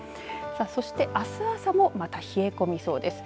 そしてあす朝もまた冷え込みそうです。